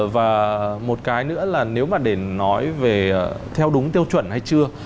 và một cái nữa là nếu mà để nói về theo đúng tiêu chuẩn hay chưa